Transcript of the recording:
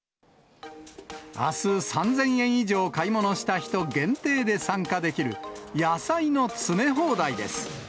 あす、３０００円以上買い物した人限定で参加できる、野菜の詰め放題です。